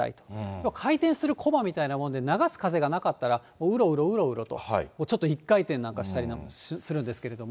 要は回転するこまみたいなもので、流す風がなかったら、うろうろうろうろと、ちょっと一回転なんかしたりするんですけれども。